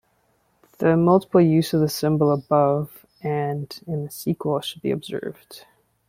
The multiple use of the symbol above and in the sequel should be observed.